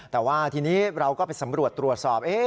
แต่ว่าทีนี้เราก็ไปสำรวจตรวจสอบ